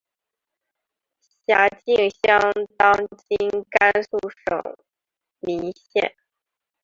辖境相当今甘肃省岷县。